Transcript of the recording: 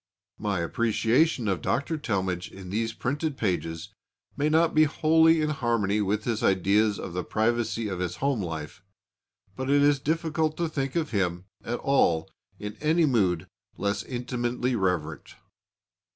My appreciation of Dr. Talmage in these printed pages may not be wholly in harmony with his ideas of the privacy of his home life; but it is difficult to think of him at all in any mood less intimately reverent.